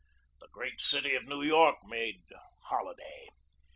The great city of New York made holi day.